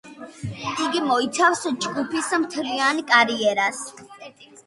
იგი მოიცავს ჯგუფის მთლიან კარიერას.